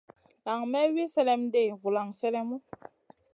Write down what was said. Nan may wi sèlèm ɗi vulan sélèmu.